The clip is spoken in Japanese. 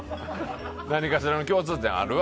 何かしらの共通点ある？